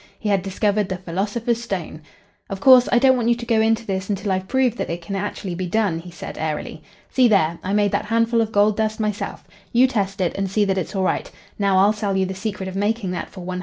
He had discovered the philosopher's stone. "Of course, I don't want you to go into this until I've proved that it can actually be done," he said airily. "See there. I made that handful of gold dust myself. You test it, and see that it's all right. Now, I'll sell you the secret of making that for £100,000.